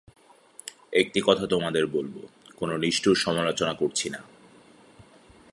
একটি কথা তোমাদের বলব, কোন নিষ্ঠুর সমালোচনা করছি না।